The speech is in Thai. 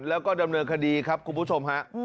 แล้วก็ดำเนินคดีครับคุณผู้ชมฮะ